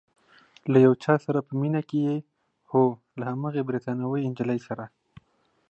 له یو چا سره په مینه کې یې؟ هو، له هماغې بریتانوۍ نجلۍ سره؟